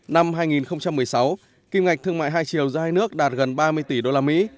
năm hai nghìn một mươi sáu kim ngạch thương mại hai triều ra hai nước đạt gần ba mươi tỷ usd